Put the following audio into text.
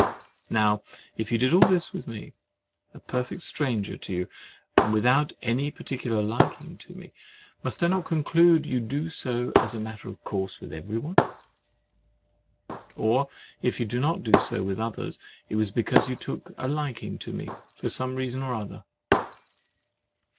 Now if you did all this with me, a perfect stranger to you, and without any particular liking to me, must I not conclude you do so as a matter of course with everyone?—Or, if you do not do so with others, it was because you took a liking to me for some reason or other.